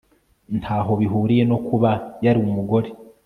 ntaho bihuriye no kuba yari umugore